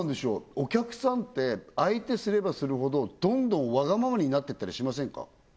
お客さんって相手すればするほどどんどんワガママになっていったりしませんか？